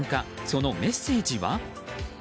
そのメッセージは？